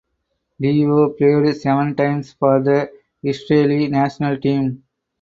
Levo played seven times for the Israeli national team.